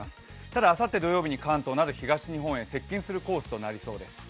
ただ、あさって土曜日に関東など東日本へ接近するコースとなりそうです。